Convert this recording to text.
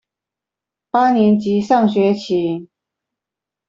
八年級上學期